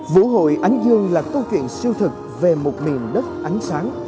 vũ hội ánh dương là câu chuyện siêu thực về một miền đất ánh sáng